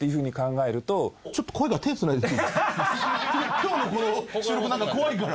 今日のこの収録なんか怖いから。